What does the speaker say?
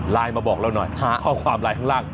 มาบอกเราหน่อยหาข้อความไลน์ข้างล่าง